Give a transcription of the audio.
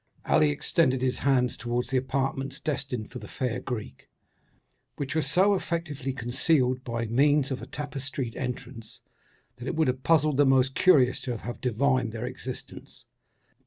Ali extended his hands towards the apartments destined for the fair Greek, which were so effectually concealed by means of a tapestried entrance, that it would have puzzled the most curious to have divined their existence.